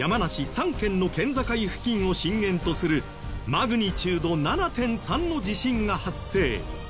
３県の県境付近を震源とするマグニチュード７．３の地震が発生。